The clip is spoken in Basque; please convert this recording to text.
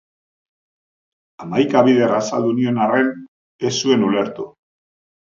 Hamaika bider azaldu nion arren, ez zuen ulertu.